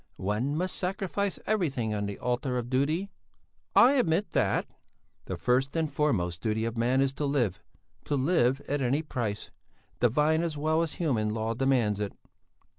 "One must sacrifice everything on the altar of duty." "I admit that." "The first and foremost duty of man is to live to live at any price! Divine as well as human law demands it."